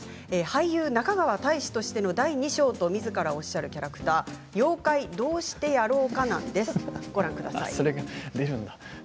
俳優中川大志としての第２章とみずからおっしゃるキャラクター妖怪どうしてやろうかなんご覧ください。